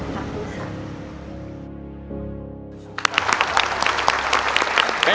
ขอบคุณค่ะ